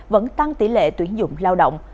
vẫn tăng tỷ lệ tuyển dụng lao động